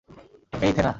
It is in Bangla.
এই, থেনা।